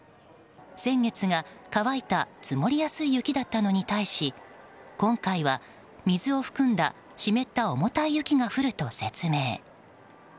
先月が乾いた積りやすい雪だったのに対し今回は、水を含んだ湿った重たい雪が降ると説明。